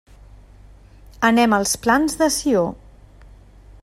Anem als Plans de Sió.